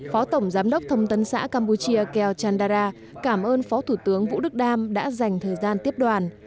phó tổng giám đốc thông tấn xã campuchia keo chandara cảm ơn phó thủ tướng vũ đức đam đã dành thời gian tiếp đoàn